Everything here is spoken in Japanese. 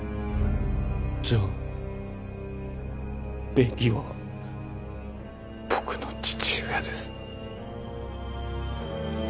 じゃあベキは僕の父親です